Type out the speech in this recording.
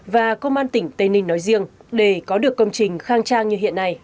và công an tỉnh tây ninh nói riêng để có được công trình khang trang như hiện nay